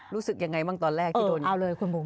รู้สึกยังไงบ้างตอนแรกที่โดนเอาเลยคุณบุ๋ม